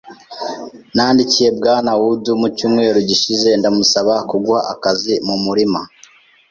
Nandikiye Bwana Wood mu cyumweru gishize ndamusaba kuguha akazi mu murima.